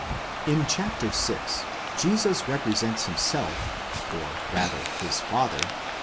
In chap. vi., Jesus represents himself, or rather his Father, v.